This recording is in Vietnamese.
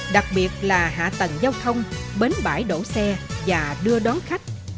và hạ tầng giao thông bến bãi đổ xe và đưa đón khách